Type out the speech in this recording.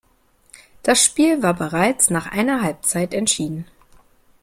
Das Spiel war bereits nach einer Halbzeit entschieden.